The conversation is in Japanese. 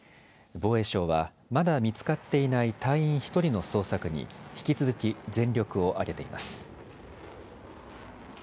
防衛省は、まだ見つかっていない隊員１人の捜索に引き続き全力を挙げています。